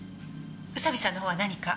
宇佐見さんの方は何か？